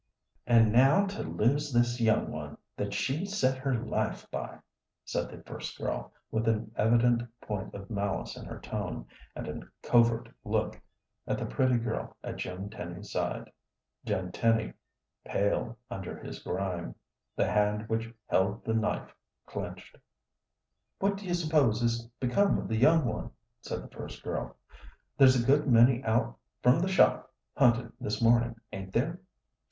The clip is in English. "And now to lose this young one that she set her life by," said the first girl, with an evident point of malice in her tone, and a covert look at the pretty girl at Jim Tenny's side. Jim Tenny paled under his grime; the hand which held the knife clinched. "What do you s'pose has become of the young one?" said the first girl. "There's a good many out from the shop huntin' this mornin', ain't there?"